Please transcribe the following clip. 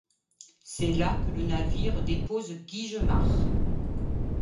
C'est là que le navire dépose Guigemar.